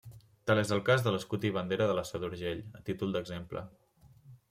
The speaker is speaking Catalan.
Tal és el cas de l'escut i bandera de la Seu d'Urgell, a títol d'exemple.